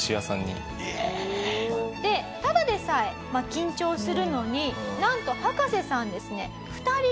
でただでさえ緊張するのになんと葉加瀬さんですねへえ。